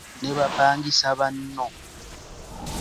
Ne bapangisa banno.